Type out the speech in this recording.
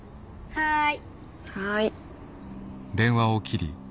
はい。